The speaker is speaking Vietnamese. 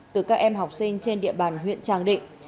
từ các em học sinh trên địa bàn huyện tràng định